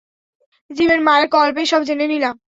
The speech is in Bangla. জিমের মায়ের কল পেয়ে সব জেনে নিলাম।